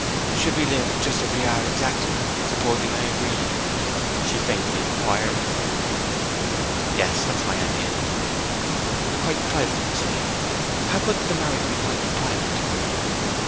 'Should we live ... just as we are, exactly, ... supposing I agreed?' she faintly inquired. 'Yes, that is my idea.' 'Quite privately, you say. How could the marriage be quite private?'